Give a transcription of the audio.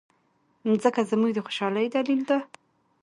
مځکه زموږ د خوشالۍ دلیل ده.